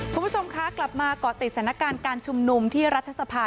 คุณผู้ชมคะกลับมาเกาะติดสถานการณ์การชุมนุมที่รัฐสภา